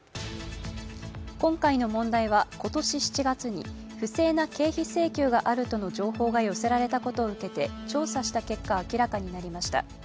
今回の問題は今年７月に不正な経費請求があるとの情報が寄せられたことを受けて調査した結果、明らかになりました。